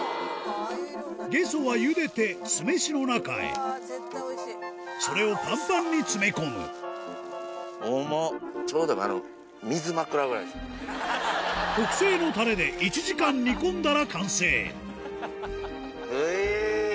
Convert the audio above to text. ゲソはゆでて酢飯の中へそれをパンパンに詰め込む特製のタレで１時間煮込んだら完成ウェイ！